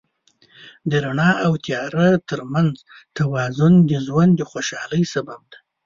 د رڼا او تیاره تر منځ توازن د ژوند د خوشحالۍ سبب دی.